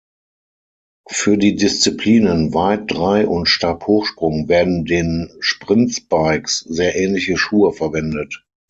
Für die Disziplinen Weit-, Drei- und Stabhochsprung werden den Sprint-Spikes sehr ähnliche Schuhe verwendet.